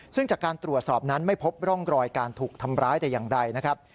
ซึ่งจากการตรวจสอบนั้นไม่พบร่องรอยการถูกทำร้ายแต่อย่างใดนะครับ